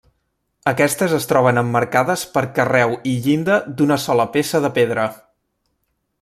Aquestes es troben emmarcades per carreu i llinda d'una sola peça de pedra.